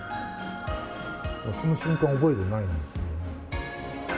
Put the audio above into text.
その瞬間を覚えてないんですよね。